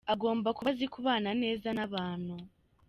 Agomba kuba azi kubana neza n’abantu.